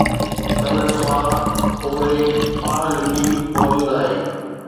سندس سوانح عمري، پاڻ لکي، موجود آهي.